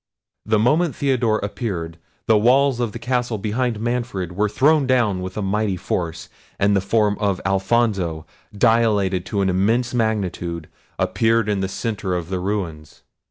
The moment Theodore appeared, the walls of the castle behind Manfred were thrown down with a mighty force, and the form of Alfonso, dilated to an immense magnitude, appeared in the centre of the ruins.